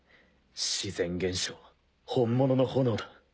自然現象本物の炎だ。